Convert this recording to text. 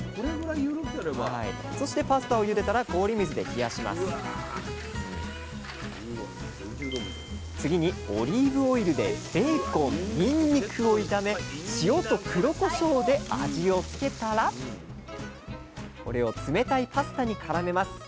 そしてパスタをゆでたら氷水で冷やします次にオリーブオイルでベーコンニンニクを炒め塩と黒こしょうで味をつけたらこれを冷たいパスタにからめます。